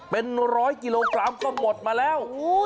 เป็นร้อยกิโลกรัมก็หมดมาแล้ว